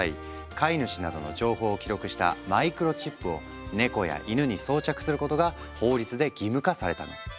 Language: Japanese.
飼い主などの情報を記録したマイクロチップをネコやイヌに装着することが法律で義務化されたの。